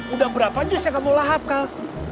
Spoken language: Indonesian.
udah berapa jus yang kamu lahap kak